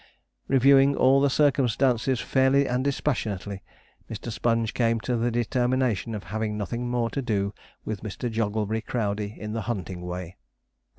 Reviewing all the circumstances fairly and dispassionately, Mr. Sponge came to the determination of having nothing more to do with Mr. Jogglebury Crowdey in the hunting way.